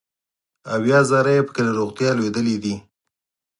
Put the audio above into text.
اویا زره یې پکې له روغتیا لوېدلي دي.